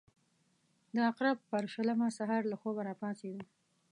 د عقرب پر شلمه سهار له خوبه راپاڅېدو.